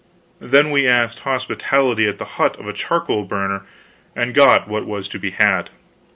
Then we asked hospitality at the hut of a charcoal burner, and got what was to be had.